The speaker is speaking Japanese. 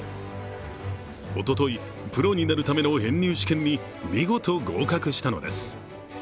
おととい、プロになるための編入試験に見事合格したのです。